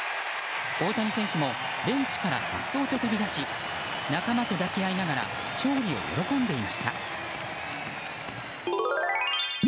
大谷選手もベンチからさっそうと飛び出し仲間と抱き合いながら勝利を喜んでいました。